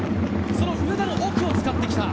上田の奥を使ってきた。